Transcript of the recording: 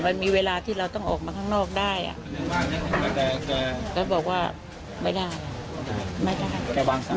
มันมีเวลาที่เราต้องออกมาข้างนอกได้อ่ะก็บอกว่าไม่ได้ไม่ได้